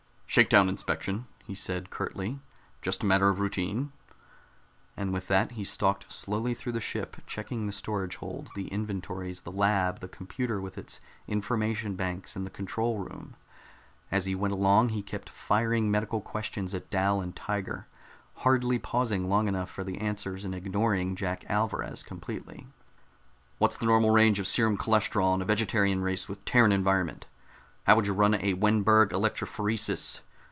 "Shakedown inspection," he said curtly. "Just a matter of routine." And with that he stalked slowly through the ship, checking the storage holds, the inventories, the lab, the computer with its information banks, and the control room. As he went along he kept firing medical questions at Dal and Tiger, hardly pausing long enough for the answers, and ignoring Jack Alvarez completely. "What's the normal range of serum cholesterol in a vegetarian race with Terran environment? How would you run a Wenberg electrophoresis?